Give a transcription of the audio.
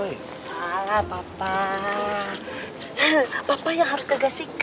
bicara tentang penumpang lo kalau badas